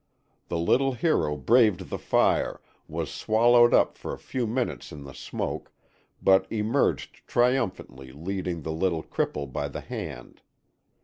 The little hero braved the fire, was swallowed up for a few minutes in the smoke, but emerged triumphantly leading the little cripple by the hand.